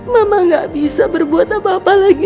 mama gak bisa berbuat apa apa lagi